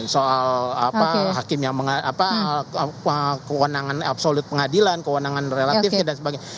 soal hakim yang kewenangan absolut pengadilan kewenangan relatifnya dan sebagainya